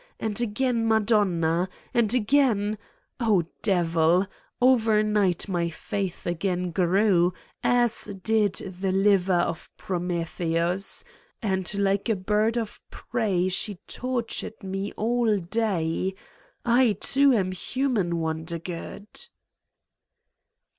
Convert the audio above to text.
And again Madonna. And again ... oh, devil! Over night my faith again grew, as did the liver of Prometheus, and like a bird of prey she tortured me all day. I, too, am human, Wondergood